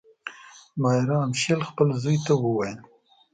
مایر امشیل خپل زوی ته وویل.